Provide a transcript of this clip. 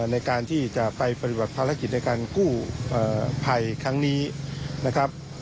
ในการที่จะไปปฏิบัติภารกิจในการกู้ภัยครั้งนี้นะครับ